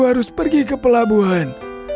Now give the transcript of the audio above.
harus pergi ke pelabuhan